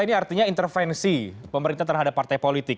ini artinya intervensi pemerintah terhadap partai politik